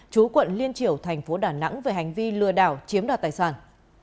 chú quận liên triểu tp đà nẵng về hành vi lừa đảo chiếm đoạt tài sản